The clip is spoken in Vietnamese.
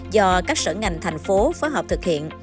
do các sở ngành thành phố phối hợp thực hiện